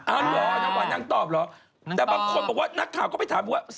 เหรอน้ำหวานนางตอบเหรอแต่บางคนบอกว่านักข่าวก็ไปถามว่า